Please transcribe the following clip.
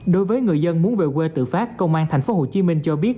đối với người dân muốn về quê tự phát công an tp hcm cho biết